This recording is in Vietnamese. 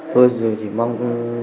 tôi chỉ mong